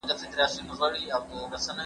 ماشوم په ډېرې خوښۍ سره زېری ورکړ.